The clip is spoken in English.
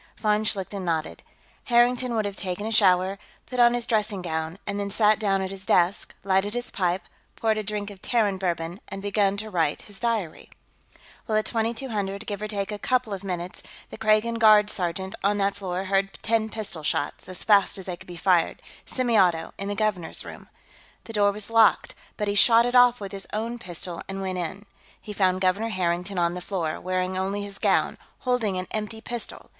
Von Schlichten nodded. Harrington would have taken a shower, put on his dressing gown, and then sat down at his desk, lighted his pipe, poured a drink of Terran bourbon, and begun to write his diary. "Well, at 2210, give or take a couple of minutes, the Kragan guard sergeant on that floor heard ten pistol shots, as fast as they could be fired semi auto, in the governor's room. The door was locked, but he shot it off with his own pistol and went in. He found Governor Harrington on the floor, wearing only his gown, holding an empty pistol.